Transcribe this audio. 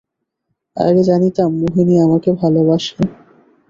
আগে জানিতাম মোহিনী আমাকে ভালোবাসে।